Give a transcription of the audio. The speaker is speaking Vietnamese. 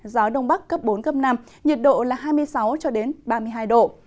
gió đông bắc cấp bốn năm nhiệt độ là hai mươi sáu ba mươi hai độ